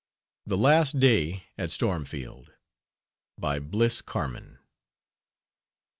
THE LAST DAY AT STORMFIELD By BLISS CARMAN.